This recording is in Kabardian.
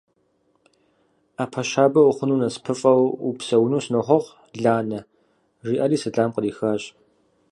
- Ӏэпэ щабэ ухъуну, насыпыфӀэу упсэуну сынохъуэхъу, Ланэ! – жиӀэри сэлам кърихащ.